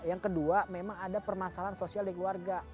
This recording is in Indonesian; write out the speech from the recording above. yang kedua memang ada permasalahan sosial di keluarga